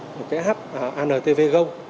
một cái hát antvg